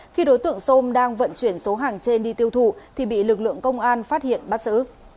khi đối tượng sôm đang vận chuyển số hàng trên đi tiêu thụ thì bị lực lượng công an phát hiện bắt xử